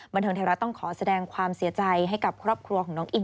บันเทิงไทยรัฐต้องขอแสดงความเสียใจให้กับครอบครัวของน้องอิง